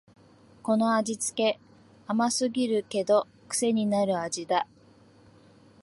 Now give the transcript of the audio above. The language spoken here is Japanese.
この味つけ、甘すぎるけどくせになる味だ